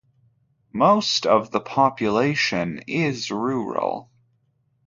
Most of the population is rural.